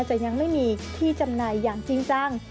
จะยังไม่มีที่จำหน่ายอย่างจริงจัง